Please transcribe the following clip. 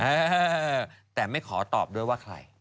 เออแต่ไม่ขอตอบด้วยว่าใคร